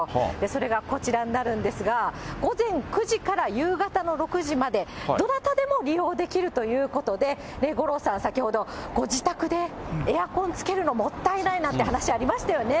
それがこちらになるんですが、午前９時から夕方の６時まで、どなたでも利用できるということで、五郎さん、先ほどご自宅でエアコンつけるのもったいないなんて話ありましたよね。